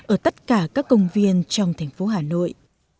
ở tất cả các công viên trong thành phố hà nội